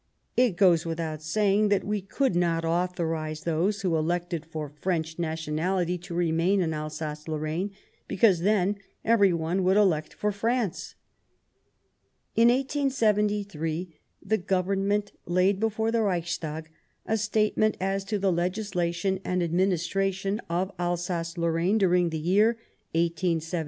It goes without saying that we could not authorize those who elected for French nationality to remain in Alsace Lorraine, because then every one would elect for France." In 1873 the Government laid before the Reichs tag a statement as to the legislation and adminis tration of Alsace Lorraine during the year 1872 1873.